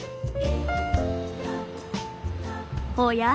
おや？